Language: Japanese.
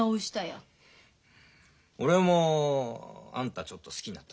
俺もあんたちょっと好きになった。